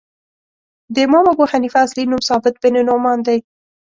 د امام ابو حنیفه اصلی نوم ثابت بن نعمان دی .